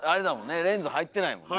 レンズ入ってないもんね。